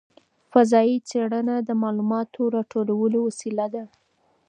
فضايي څېړنه د معلوماتو راټولولو وسیله ده.